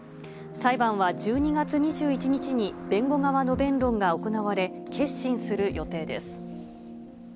裁判は１２月２１日に弁護側の弁論が行われ、結審する予定です。